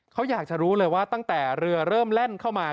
เขาอยากจะรู้เลยว่าตั้งแต่เรือเริ่มแล่นเข้ามา